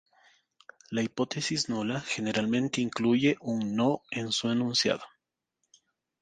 La hipótesis nula generalmente incluye un no en su enunciado.